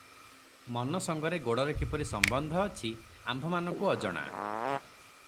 ମନ ସଙ୍ଗରେ ଗୋଡ଼ର କିପରି ସମ୍ବନ୍ଧ ଅଛି ଆମ୍ଭମାନଙ୍କୁ ଅଜଣା ।